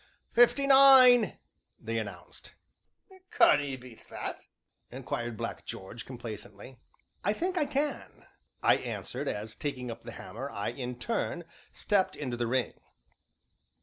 "Fifty nine!" they announced. "Can 'ee beat that?" inquired Black George complacently. "I think I can," I answered as, taking up the hammer, I, in turn, stepped into the ring.